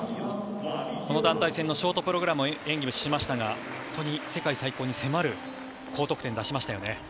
この団体戦のショートプログラムも演技しましたが本当に世界最高に迫る高得点を出しましたよね。